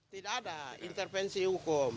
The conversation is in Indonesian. tidak ada intervensi hukum